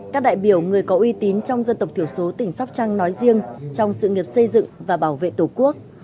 các đại biểu người có uy tín trong dân tộc thiểu số tỉnh sóc trăng nói riêng trong sự nghiệp xây dựng và bảo vệ tổ quốc